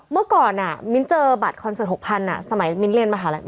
เมื่อก่อนมิ้นเจอบัตรคอนเสิร์ต๖๐๐สมัยมิ้นเรียนมหาลัย